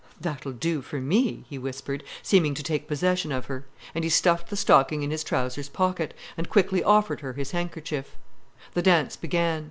"That'll do for me," he whispered—seeming to take possession of her. And he stuffed the stocking in his trousers pocket, and quickly offered her his handkerchief. The dance began.